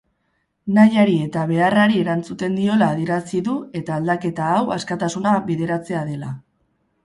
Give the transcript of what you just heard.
Nahiari eta beharrari erantzuten diola adierazi du eta aldaketa hau askatasuna bideratzea dela.